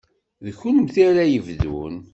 D kennemti ara yebdun.